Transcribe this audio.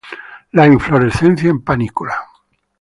La inflorescencia en panícula.